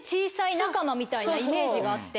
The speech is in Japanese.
みたいなイメージがあって。